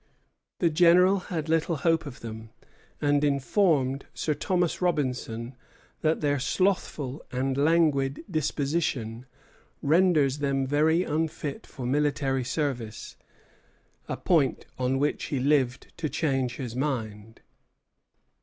The General had little hope of them, and informed Sir Thomas Robinson that "their slothful and languid disposition renders them very unfit for military service," a point on which he lived to change his mind.